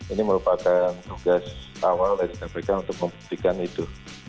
ini merupakan tugas awal dari kpk untuk membuktikan itu